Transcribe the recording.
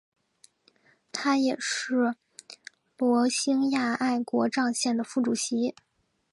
他也是罗兴亚爱国障线的副主席。